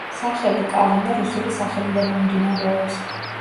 სახელი კალინა რუსული სახელიდან მომდინარეობს.